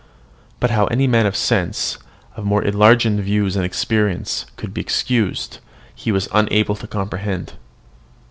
But how any man of sense, of more enlarged views and experience, could be excused, he was unable to comprehend.